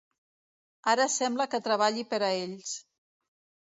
Ara sembla que treballi per a ells.